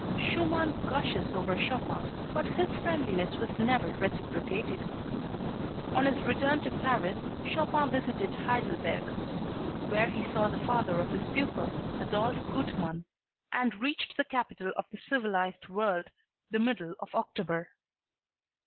Schumann gushes over Chopin, but this friendliness was never reciprocated. On his return to Paris Chopin visited Heidelberg, where he saw the father of his pupil, Adolphe Gutmann, and reached the capital of the civilized world the middle of October.